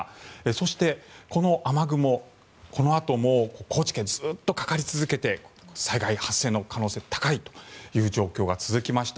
そして、この雨雲はこのあとも高知県にずっとかかり続けて災害発生の可能性が高いという状況が続きました。